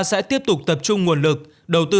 sẽ tiếp tục tập trung nguồn lực đầu tư